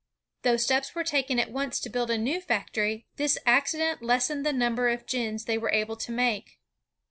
Though steps were taken at once to build a new factory, ^ this accident lessened the nimaber of gins they were able to make.